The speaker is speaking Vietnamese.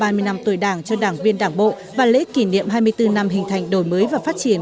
ba mươi năm tuổi đảng cho đảng viên đảng bộ và lễ kỷ niệm hai mươi bốn năm hình thành đổi mới và phát triển